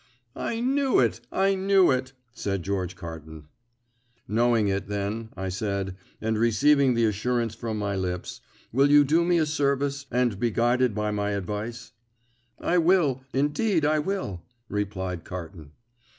"I knew it, I knew it," said George Carton. "Knowing it, then," I said, "and receiving the assurance from my lips, will you do me a service, and be guided by my advice?" "I will, indeed I will," replied Carton.